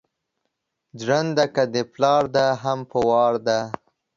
جرنده که دا پلار ده هم په وار ده